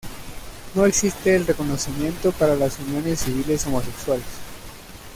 No existe el reconocimiento para las uniones civiles homosexuales.